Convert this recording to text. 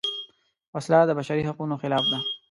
وسله د بشري حقونو خلاف ده